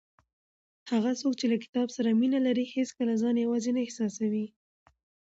هغه څوک چې له کتاب سره مینه لري هیڅکله ځان یوازې نه احساسوي.